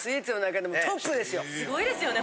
すごいですよね